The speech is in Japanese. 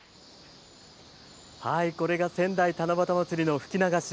これが仙台七夕まつりの吹き流し。